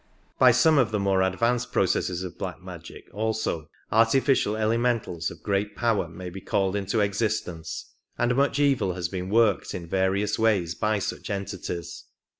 By some of the more advanced processes of black magic, also, artificial elementals of great power may be called into existence, and much evil has been worked in various ways by such entities.